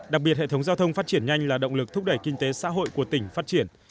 đặc biệt hệ thống giao thông phát triển nhanh là động lực thúc đẩy kinh tế xã hội của tỉnh phát triển